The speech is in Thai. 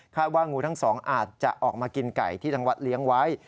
ว่างูทั้งสองอาจจะออกมากินไก่ที่ทางวัดเลี้ยงไว้